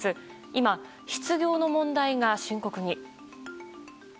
今、失業の問題が深刻に。